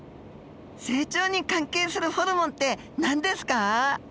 成長に関係するホルモンって何ですか？